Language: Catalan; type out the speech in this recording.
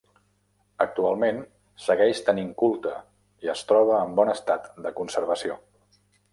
Actualment, segueix tenint culte i es troba en bon estat de conservació.